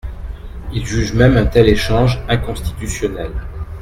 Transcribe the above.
Il juge même un tel échange inconstitutionnel.